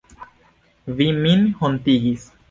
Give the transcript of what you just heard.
Vi min hontigis.